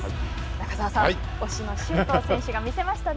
中澤さん、推しの周東選手が見せましたね。